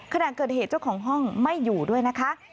ขณะเกิดเหตุเจ้าของห้องไม่อยู่ด้วยนะคะ